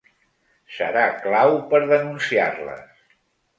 Serà clau per denunciar-les.